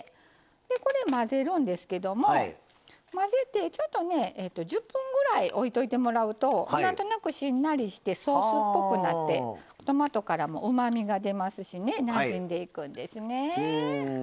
これ混ぜるんですけども混ぜてちょっとね１０分ぐらいおいといてもらうとなんとなくしんなりしてソースっぽくなってトマトからもうまみが出ますしなじんでいくんですね。